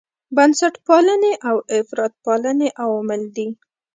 بنسټپالنې او افراطپالنې عوامل دي.